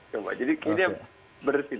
coba jadi kayaknya bersin